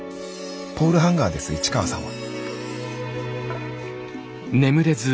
ポールハンガーです市川さんは。